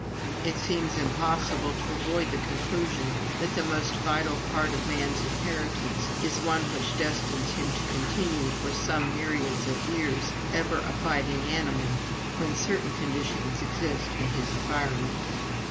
It seems impossible to avoid the conclusion that the most vital part of man's inheritance is one which destines him to continue for some myriads of years ever a fighting animal when certain conditions exist in his environment.